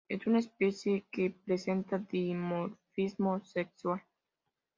Es una especie que presenta dimorfismo sexual.